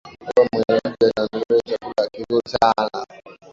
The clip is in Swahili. baba mwenye mji ataandaliwa chakula kizuri sana